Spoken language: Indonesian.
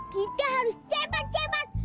kita harus cepat cepat